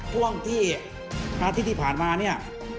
ท่วงที่นาทีที่ผ่านมานี่